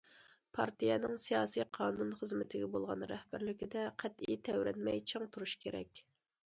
پارتىيەنىڭ سىياسىي- قانۇن خىزمىتىگە بولغان رەھبەرلىكىدە قەتئىي تەۋرەنمەي چىڭ تۇرۇش كېرەك.